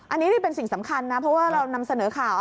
อันนี้นี่เป็นสิ่งสำคัญนะเพราะว่าเรานำเสนอข่าว